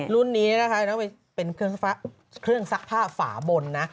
รุ่นนี้นะคะต้องไปเป็นเครื่องซักผ้าฝาบนนะ